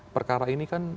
perkara ini kan